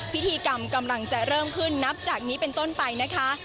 พิธีกรรมกำลังจะเริ่มขึ้นนับจากนี้เป็นต้นไปนะคะ